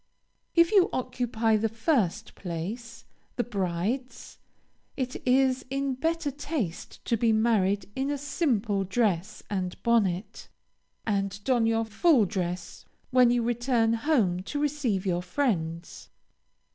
If you occupy the first place, the bride's, it is in better taste to be married in a simple dress and bonnet, and don your full dress when you return home to receive your friends.